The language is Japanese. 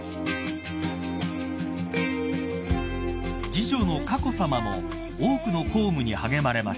［次女の佳子さまも多くの公務に励まれました］